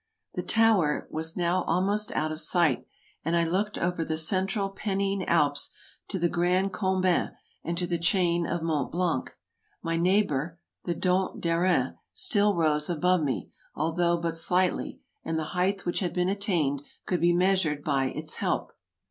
The Tower was now almost out of sight, and I looked over the central Pennine Alps to the Grand Combin and to the chain of Mont Blanc. My neighbor, the Dent d' Helens, still rose above me, although but slightly, and the height which had been attained could be measured by its help.